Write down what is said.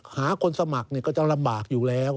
หาคนสมัครก็จะลำบากอยู่แล้ว